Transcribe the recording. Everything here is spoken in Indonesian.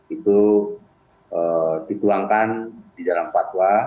itu dituangkan di dalam fatwa